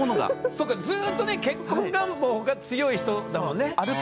そっかずっとね結婚願望が強い人だもんね。